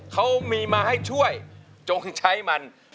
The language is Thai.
เขามีมาให้ช่วยจงใช้มัน